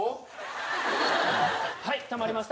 はいたまりました。